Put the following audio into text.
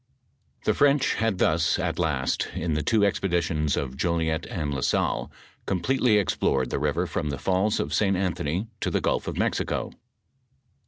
The Fi'ench had thus, at last, in the two expeditions of Jolliet and La Salle, completely explored the nver from the falls of St. Anthony to the gulf of Mexico.